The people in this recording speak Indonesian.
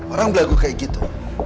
orang berlagu kayak gitu